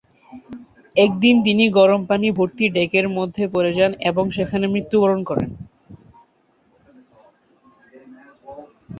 একদিন তিনি গরম পানি ভর্তি ডেকের মধ্যে পড়ে যান এবং সেখানেই মৃত্যুবরণ করেন।